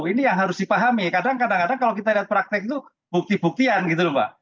ini yang harus dipahami kadang kadang kalau kita lihat praktek itu bukti buktian gitu lho mbak